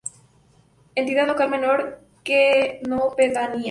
Entidad Local Menor que no pedanía.